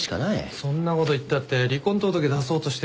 そんなこと言ったって離婚届出そうとしてるのに。